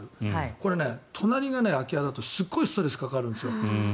これ、隣が空き家だとすごいストレスかかるんです。